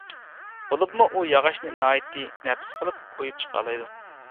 بولۇپمۇ ئۇ ياغاچنى ناھايىتى نەپىس قىلىپ ئۇيۇپ چىقالايدۇ.